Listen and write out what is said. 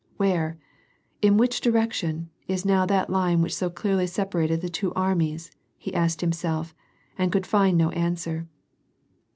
" W^here, in which direction, is now that line which so clearly separated the two armies ?" ho asked himself, and could find no ans^i^r.